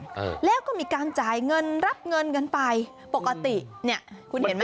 เออแล้วก็มีการจ่ายเงินรับเงินกันไปปกติเนี่ยคุณเห็นไหม